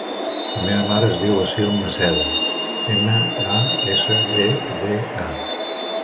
La meva mare es diu Assil Maseda: ema, a, essa, e, de, a.